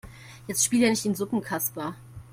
Jetzt spiel hier nicht den Suppenkasper.